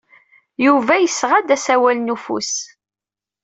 Yuba yesɣa-d asawal n ufus.